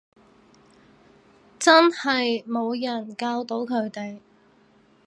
真係冇人教到佢哋